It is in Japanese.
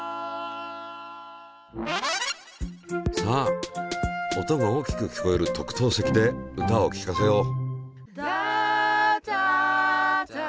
さあ音が大きく聞こえる特等席で歌をきかせよう！